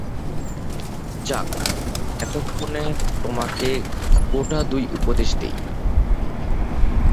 যাক, এক্ষণে তোমাকে গোটা-দুই উপদেশ দিই।